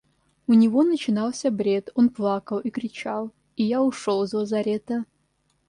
У него начинался бред, он плакал и кричал, и я ушел из лазарета.